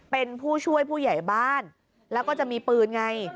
เป็นผู้ช่วยผู้ใหญ่บ้านแล้วก็จะมีปืนไง